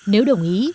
nếu đồng ý